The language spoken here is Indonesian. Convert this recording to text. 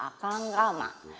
akang akang ramah